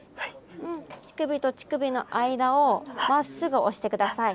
うん乳首と乳首の間をまっすぐ押して下さい。